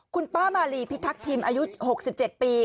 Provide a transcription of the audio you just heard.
คุณป้ามารีพิทักธิมอายุหกสิบเจ็ดปี